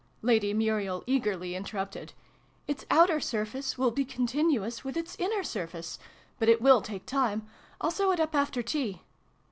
Lady Muriel eagerly interrupted. " Its outer surface will be continuous with its inner surface ! But it will take time. I'll sew it up after tea."